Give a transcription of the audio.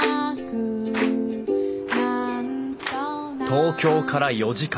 東京から４時間。